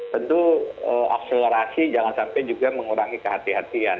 tentu akselerasi jangan sampai juga mengurangi kehatian